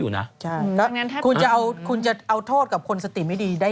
ขึ้นไปแล้วแล้วถ้าเจอแบบนี้เป็นพี่ลงไหม